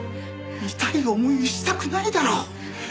痛い思いしたくないだろ？